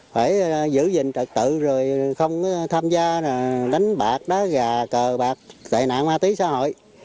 phải giữ gìn trật tự rồi không tham gia đánh bạc đá gà cờ bạc tệ nạn ma tí xã hội